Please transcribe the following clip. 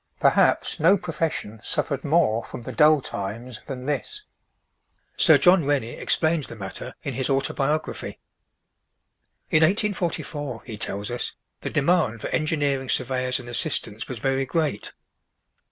Perhaps no profession suffered more from the dull times than this. Sir John Rennie explains the matter in his autobiography: "In 1844," he tells us, "the demand for engineering surveyors and assistants was very great.